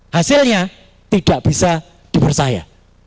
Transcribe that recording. hasilnya tidak bisa dipercaya